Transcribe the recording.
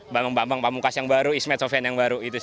bambang bambang pak mukas yang baru ismet sofian yang baru